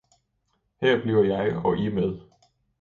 her bliver jeg og I med!